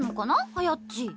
はやっち。